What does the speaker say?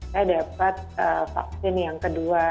saya dapat vaksin yang kedua